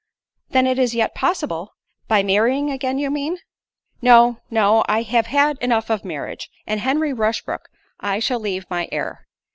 "Then it is yet possible——" "By marrying again, you mean? No—no—I have had enough of marriage—and Henry Rushbrook I shall leave my heir.